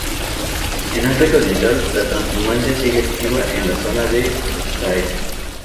En África Oriental la trashumancia sigue activa en la zona del Sahel.